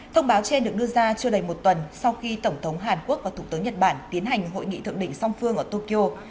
thông báo trên được đưa ra chưa đầy một tuần sau khi tổng thống hàn quốc và thủ tướng nhật bản tiến hành hội nghị thượng đỉnh song phương ở tokyo